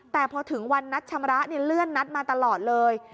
แต่พอถึงวันนัดชำระเลื่อนนัดมาตลอดเลย